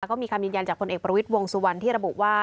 ก็มีคำยืนยันจากคนเอกประวิทย์วงสุวรรณที่ระบุว่า